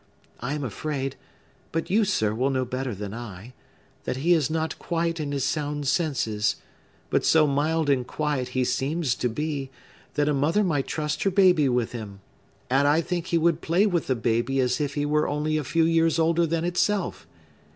I am afraid (but you, sir, will know better than I) that he is not quite in his sound senses; but so mild and quiet he seems to be, that a mother might trust her baby with him; and I think he would play with the baby as if he were only a few years older than itself.